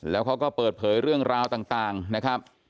แล้วเขาก็เปิดเผยเรื่องราวต่างนะครับ